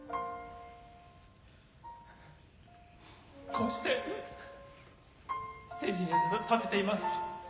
「こうしてステージに立てています」